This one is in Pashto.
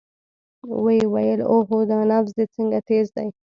ويې ويل اوهو دا نبض دې څنګه تېز دى.